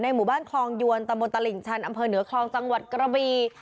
หมู่บ้านคลองยวนตำบลตลิ่งชันอำเภอเหนือคลองจังหวัดกระบี